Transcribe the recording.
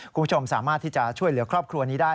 คุณผู้ชมสามารถที่จะช่วยเหลือครอบครัวนี้ได้